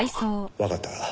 わかった。